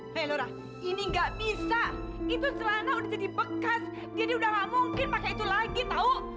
hei lora ini gak bisa itu jelana udah jadi bekas jadi udah gak mungkin pake itu lagi tau